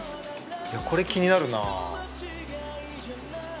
これ気になるなぁ。